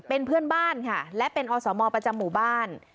เป็นเพื่อนบ้านค่ะและเป็นอสมประจำหมู่บ้าน